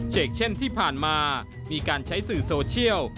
เช่นที่ผ่านมามีการใช้สื่อโซเชียล